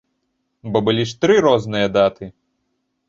Бо былі ж тры розныя даты.